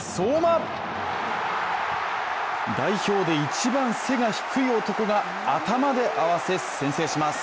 代表で一番背が低い男が頭で合わせ先制します。